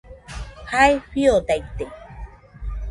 Jae fiodaite